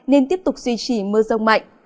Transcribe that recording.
nên tiếp tục duy trì mưa rông mạnh